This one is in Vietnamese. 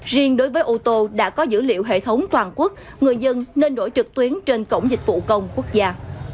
riêng đối với ô tô đã có dữ liệu hệ thống toàn quốc người dân nên đổi trực tuyến trên cổng dịch vụ công quốc gia